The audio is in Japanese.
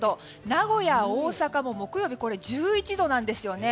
名古屋、大阪も木曜１１度なんですね。